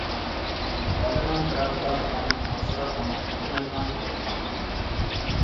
بالىنىڭ پىراقىدا ئۇلارنىڭ ئاغزىغا تاماق تېتىمايدىغان بولۇپ قالغانىدى.